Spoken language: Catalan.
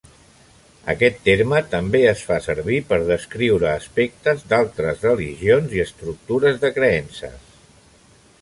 Aquest terme també es fa servir per descriure aspectes d'altres religions i estructures de creences.